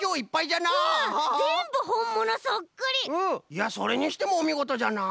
いやそれにしてもおみごとじゃな！